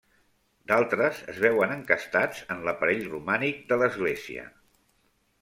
D'altres es veuen encastats en l'aparell romànic de l'església.